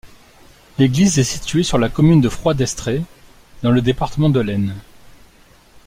L'église est située sur la commune de Froidestrées, dans le département de l'Aisne.